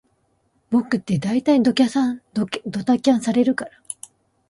僕ってだいたいドタキャンされるから